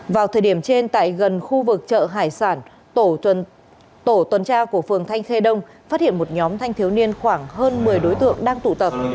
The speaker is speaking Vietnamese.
vào thời điểm trên tại gần khu vực chợ hải sản tổ tuần tra của phường thanh khê đông phát hiện một nhóm thanh thiếu niên khoảng hơn một mươi đối tượng đang tụ tập